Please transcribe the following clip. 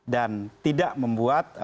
dan tidak membuat